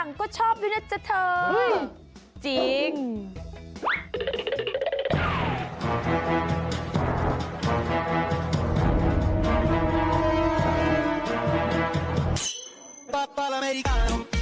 นี่ค่ะ